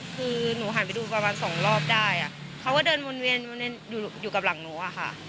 คือหนูหันไปดูประมาณสองรอบได้เขาก็เดินวนเวียนอยู่กับหลังหนูอะค่ะ